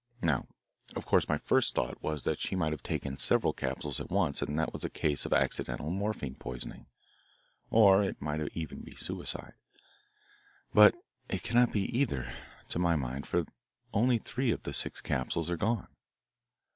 "Now, of course my first thought was that she might have taken several capsules at once and that it was a case of accidental morphine poisoning, or it might even be suicide. But it cannot be either, to my mind, for only three of the six capsules are gone.